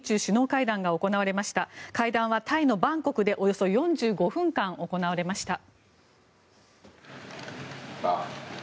会談は、タイのバンコクでおよそ４５分間行われました。